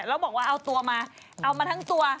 แล้วบอกว่าเอาตัวมาเอามาทั้งตัว